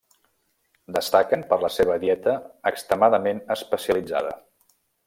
Destaquen per la seva dieta extremadament especialitzada.